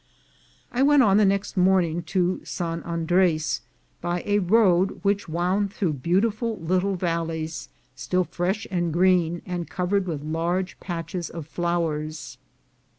I went on the next morning to San Andres by a road which wound through beautiful little valleys, still fresh and green, and covered with large patches of flowers.